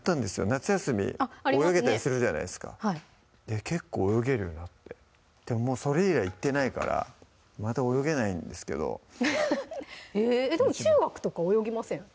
夏休み泳げたりするじゃないですかで結構泳げるようになってでももうそれ以来行ってないからまた泳げないんですけどでも中学とか泳ぎません？